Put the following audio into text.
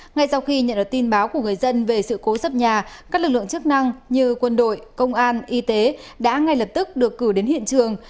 ngay sau khi nhận được tin báo của người dân về sự cố sập nhà các lực lượng chức năng như quân đội công an y tế đã ngay lập tức được cử đến hiện trường